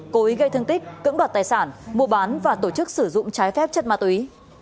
cố ý gây thương tích cưỡng đoạt tài sản mua bán và tổ chức sử dụng trái phép chất ma túy